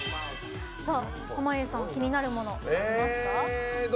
濱家さん気になるものありますか？